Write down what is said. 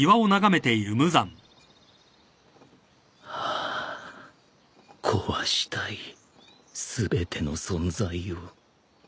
ああ壊したい全ての存在を